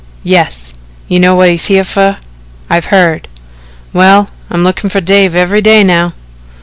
"Yes." "You know whut's he here fer?" "I've heard." "Well, I'm lookin' fer Dave every day now."